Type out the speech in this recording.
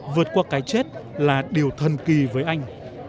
vượt qua cái chết là điều thần kỳ với anh